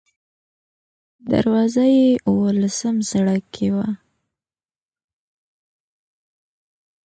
دروازه یې اوولسم سړک کې وه.